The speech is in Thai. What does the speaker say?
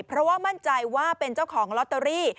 เพราะว่ามั่นใจว่าเป็นเจ้าของลอตเตอรี่